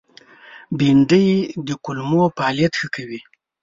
بېنډۍ د کولمو فعالیت ښه کوي